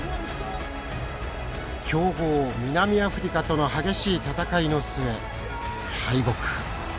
強豪、南アフリカとの激しい戦いの末、敗北。